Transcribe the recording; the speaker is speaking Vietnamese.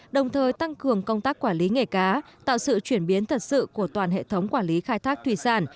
đồng thời tăng cường công tác quản lý nghề cá tạo sự chuyển biến thật sự của toàn hệ thống quản lý khai thác thủy sản